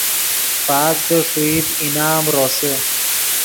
پاس کہ ݰوئیت انعام روسے